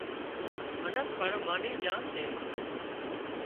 منک پڻ مانَ ڄي سي